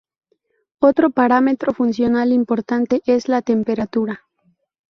Otro parámetro funcional importante es la temperatura.